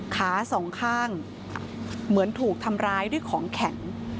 ขาสองข้างเหมือนถูกทำร้ายด้วยของแข็ง